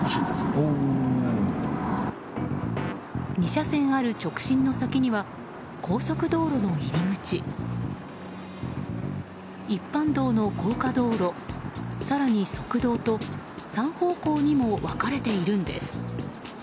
２車線ある直進の先には高速道路の入り口一般道の高架道路、更に側道と３方向にも分かれているんです。